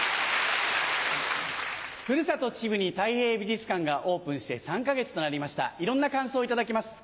ふるさと・秩父にたい平美術館がオープンして３か月となりましたいろんな感想を頂きます。